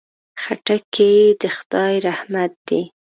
خټکی د خدای رحمت دی.